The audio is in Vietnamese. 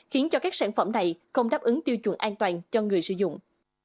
khiến cho các sản phẩm này không đáp ứng tiêu chuẩn an toàn cho người sử dụng